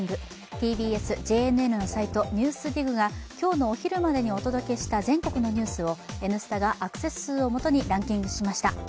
ＴＢＳ、ＪＮＮのサイト「ＮＥＷＳＤＩＧ」が今日のお昼までの全国のニュースを「Ｎスタ」がアクセス数をもとにランキングしました。